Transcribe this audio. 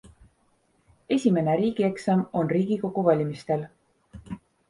Esimene riigieksam on riigikogu valimistel.